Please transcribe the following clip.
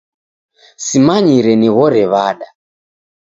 Simanyire nighore w'ada.